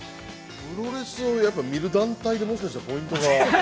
◆プロレスをやっぱり見る団体でもしかしてポイントが。